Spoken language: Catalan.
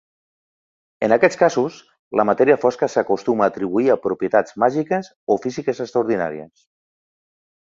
En aquests casos, la matèria fosca s'acostuma a atribuir a propietats màgiques o físiques extraordinàries.